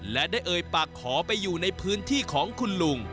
และได้เอ่ยปากขอไปอยู่ในพื้นที่ของคุณลุง